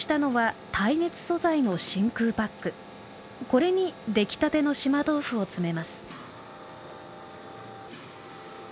これに出来たての島豆腐を詰めます。